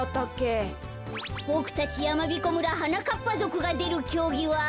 ボクたちやまびこ村はなかっぱぞくがでるきょうぎは。